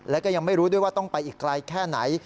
และก็ยังไม่รู้ด้วยว่าต้องไปอีกไกลแค่ไหน